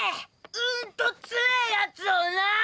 うんとつえーやつをなァー！